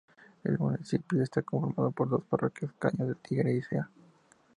El municipio está conformado por dos parroquias, Caño El Tigre y Zea.